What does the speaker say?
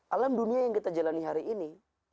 alam dunia yang kita jalani hari ini